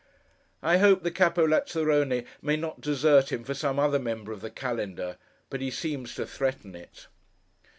I hope the Capo Lazzarone may not desert him for some other member of the Calendar, but he seems to threaten it.